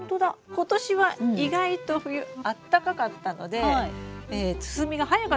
今年は意外と冬あったかかったので進みが速かったと思います。